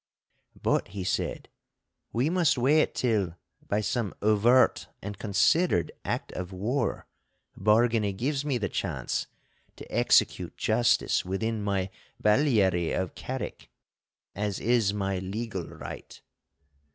'But,' he said, 'we must wait till, by some overt and considered act of war, Bargany gives me the chance to execute justice within my Balliary of Carrick, as is my legal right.